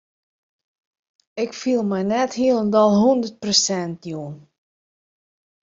Ik fiel my net hielendal hûndert persint jûn.